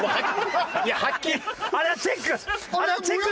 あれはチェック！